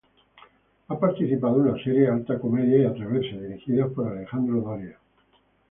Ha participado en las series "Alta Comedia" y "Atreverse", dirigidas por Alejandro Doria.